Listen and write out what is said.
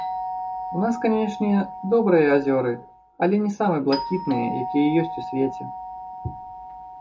У нас, канечне, добрыя азёры, але не самыя блакітныя, якія ёсць у свеце.